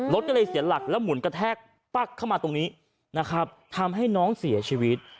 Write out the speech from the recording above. รถก็เลยเสียหลักแล้วหมุนกระแทกปั๊กเข้ามาตรงนี้นะครับทำให้น้องเสียชีวิต